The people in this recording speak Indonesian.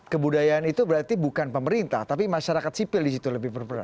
kebudayaan itu berarti bukan pemerintah tapi masyarakat sipil di situ lebih berperan